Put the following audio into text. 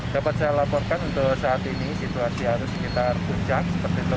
dapat saya laporkan untuk saat ini situasi arus sekitar puncak seperti terlihat di belakang